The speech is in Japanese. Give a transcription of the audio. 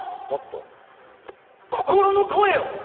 もっと心の声を！